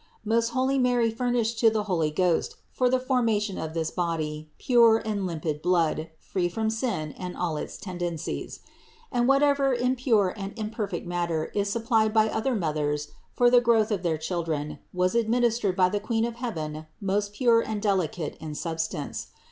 Most holy Mary furnished to the Holy Ghost, for the formation of this body, pure and limpid blood, free from sin and all its tendencies. And whatever impure and imperfect matter is supplied by other mothers for the growth of their children was administered by the Queen of heaven most pure and delicate in substance.